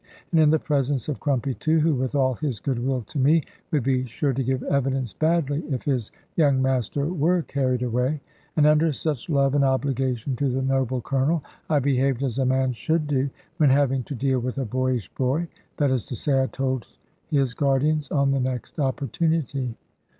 And in the presence of Crumpy too, who with all his goodwill to me, would be sure to give evidence badly, if his young master were carried away! And under such love and obligation to the noble Colonel, I behaved as a man should do, when having to deal with a boyish boy; that is to say, I told his guardians on the next opportunity.